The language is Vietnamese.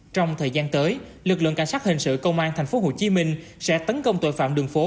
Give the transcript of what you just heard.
trong thời gian tới lực lượng cảnh sát hình sự công an tp hcm sẽ tấn công tội phạm đường phố